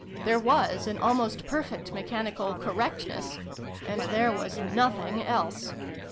There was an almost perfect mechanical cor rectness and there was nothing else